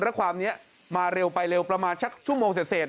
แล้วความนี้มาเร็วไปเร็วประมาณสักชั่วโมงเสร็จ